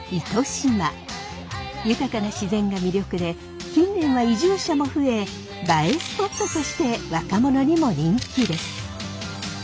豊かな自然が魅力で近年は移住者も増え映えスポットとして若者にも人気です。